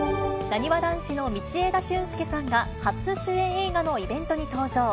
なにわ男子の道枝駿佑さんが、初主演映画のイベントに登場。